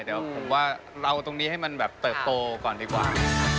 เดี๋ยวผมว่าเราตรงนี้ให้มันแบบเติบโตก่อนดีกว่า